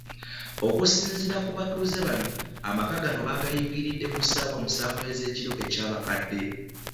Okusinziira ku batuuze bano, amaka gano baagayingiridde ku ssaawa musanvu ez'ekiro e Kyabakadde